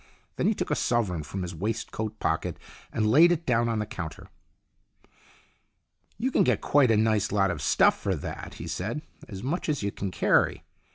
Then he took a sovereign from his waistcoat pocket and laid it down on the counter. " You can get quite a nice lot of stuff for that," he said. "As much as you can carry.